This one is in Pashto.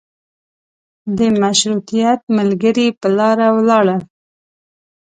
د مشروطیت ملګري په لاره ولاړل.